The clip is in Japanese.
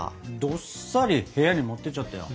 どっさり部屋に持っていっちゃったよ。